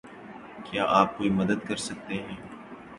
کیا آپ کوئی مدد کر سکتے ہیں؟